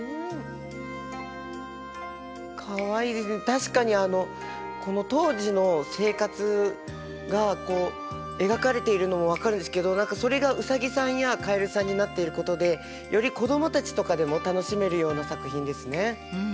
確かにこの当時の生活がこう描かれているのも分かるんですけど何かそれがウサギさんやカエルさんになっていることでより子供たちとかでも楽しめるような作品ですね。